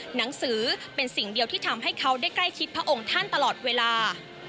หนังสือเป็นสิ่งเดียวที่ทำให้เขาได้ใกล้ชิดพระองค์ท่านตลอดเวลา